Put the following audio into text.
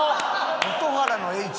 「蛍原」の「Ｈ」？